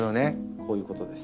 こういうことです。